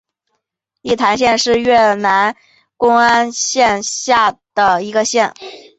义坛县是越南乂安省下辖的一个县。